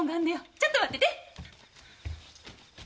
ちょっと待ってて。